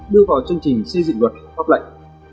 đưa vào chương trình xây dựng luật pháp lệnh